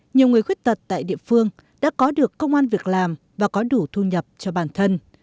nhiều người khuyết tật tại địa phương đã có được công an việc làm và có đủ thu nhập cho bản thân